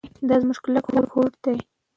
دا زموږ کلک هوډ دی.